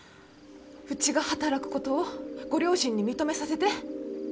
うちが働くことをご両親に認めさせて。